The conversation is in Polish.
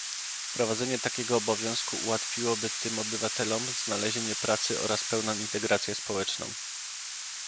Wprowadzenie takiego obowiązku ułatwiłoby tym obywatelom znalezienie pracy oraz pełną integrację społeczną